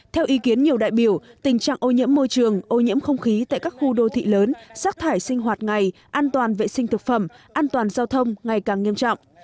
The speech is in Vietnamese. theo ý kiến nhiều đại biểu tình trạng ô nhiễm môi trường ô nhiễm không khí tại các khu đô thị lớn rác thải sinh hoạt ngày an toàn vệ sinh thực phẩm an toàn giao thông ngày càng nghiêm trọng